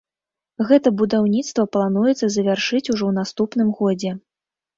Гэта будаўніцтва плануецца завяршыць ужо ў наступным годзе.